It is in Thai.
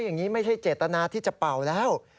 อย่างนี้ไม่ใช่เจตนาที่จะเป่าแล้ว